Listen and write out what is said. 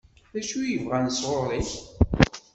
D acu i bɣan sɣur-i?